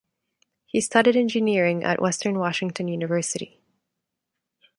He studied engineering at Western Washington University.